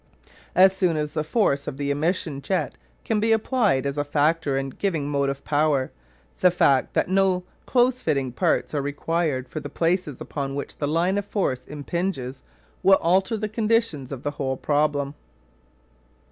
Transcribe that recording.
As soon as the force of the emission jet can be applied as a factor in giving motive power, the fact that no close fitting parts are required for the places upon which the line of force impinges will alter the conditions of the whole problem.